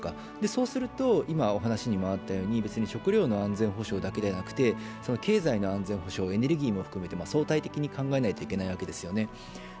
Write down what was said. そうすると、別に食料の安全保障だけではなくて、経済の安全保障、エネルギーも含めて相対的に考えないといけないわけですよね。